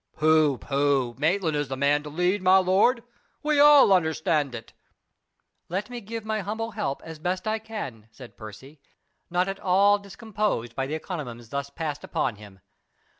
"Pooh! pooh! Maitland is the man to lead, my lord. We all understand it." "Let me give my humble help, as best I can," said Percy, not at all discomposed by the encomiums thus passed upon him.